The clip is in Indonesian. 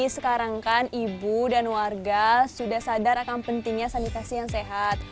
sekarang kan ibu dan warga sudah sadar akan pentingnya sanitasi yang sehat